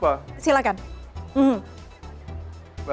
tapi yang penting khuspa